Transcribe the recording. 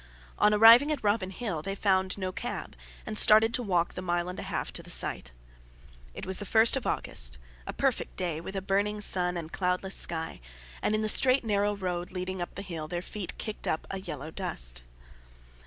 On arriving at Robin Hill, they found no cab, and started to walk the mile and a half to the site. It was the 1st of August—a perfect day, with a burning sun and cloudless sky—and in the straight, narrow road leading up the hill their feet kicked up a yellow dust.